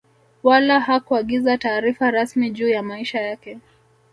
Wala hakuagiza taarifa rasmi juu ya maisha yake